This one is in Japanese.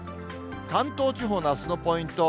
関東地方のあすのポイント。